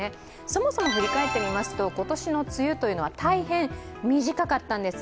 そもそも振り返ってみますと今年の梅雨は大変短かったんです。